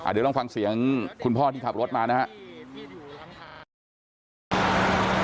เดี๋ยวลองฟังเสียงคุณพ่อที่ขับรถมานะครับ